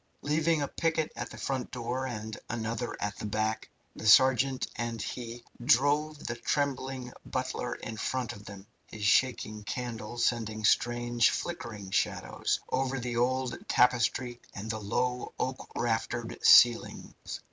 Leaving a picket at the front door and another at the back, the sergeant and he drove the trembling butler in front of them his shaking candle sending strange, flickering shadows over the old tapestries and the low, oak raftered ceilings.